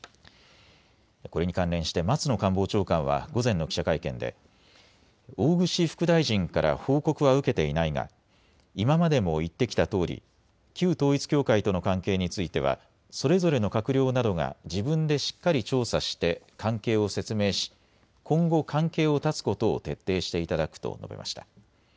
これに関連して松野官房長官は午前の記者会見で大串副大臣から報告は受けていないが今までも言ってきたとおり旧統一教会との関係についてはそれぞれの閣僚などが自分でしっかり調査して関係を説明し今後、関係を絶つことを徹底していただくと述べました。